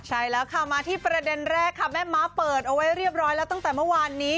ใช่แล้วค่ะมาที่ประเด็นแรกค่ะแม่ม้าเปิดเอาไว้เรียบร้อยแล้วตั้งแต่เมื่อวานนี้